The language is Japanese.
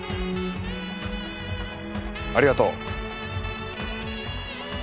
ありがとう。